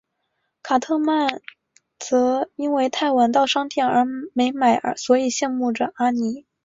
卡特曼则因为太晚到商店而没买所以羡慕着阿尼。